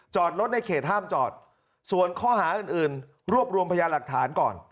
จอดรถในเขตห้ามจอดส่วนข้อหาอื่นรวบรวมพยาหลักฐานก่อน